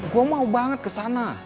gue mau banget ke sana